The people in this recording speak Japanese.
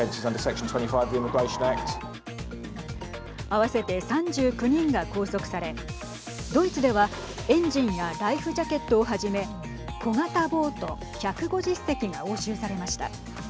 合わせて３９人が拘束されドイツではエンジンやライフジャケットをはじめ小型ボート１５０隻が押収されました。